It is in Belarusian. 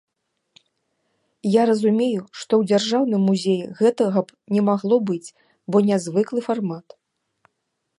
Я разумею, што ў дзяржаўным музеі гэтага б не магло быць, бо нязвыклы фармат.